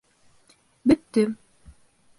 Бөттөм.